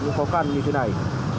những khó khăn như thế này